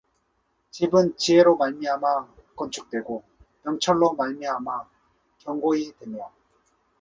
집은 지혜로 말미암아 건축되고 명철로 말미암아 견고히 되며